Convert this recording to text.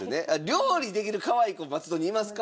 料理できるかわいい子松戸にいますか？